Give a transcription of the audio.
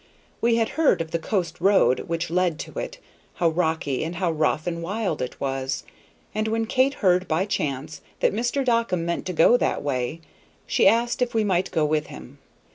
We had heard of the coast road which led to it, how rocky and how rough and wild it was, and when Kate heard by chance that Mr. Dockum meant to go that way, she asked if we might go with him.